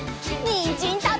にんじんたべるよ！